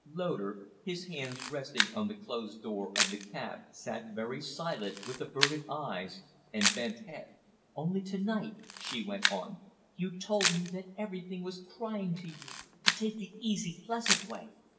Loder, his hands resting on the closed doors of the cab, sat very silent, with averted eyes and bent head. "Only to night," she went on, "you told me that everything was crying to you to take the easy, pleasant way.